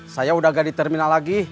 saya udah gak di terminal lagi